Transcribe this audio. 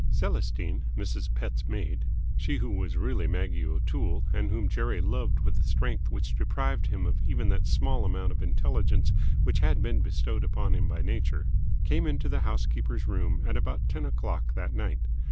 ... Celestine, Mrs. Pett's maid she who was really Maggie O'Toole and whom Jerry loved with a strength which deprived him of even that small amount of intelligence which had been bestowed upon him by Nature came into the house keeper's room at about ten o'clock that night.